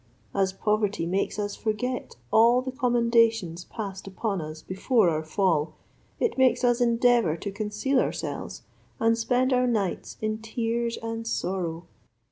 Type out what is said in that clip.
As poverty makes us forget all the commendations passed upon us before our fall, it makes us endeavour to conceal ourselves, and spend our nights in tears and sorrow.